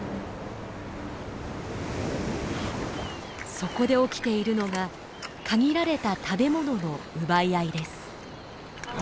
そこで起きているのが限られた食べものの奪い合いです。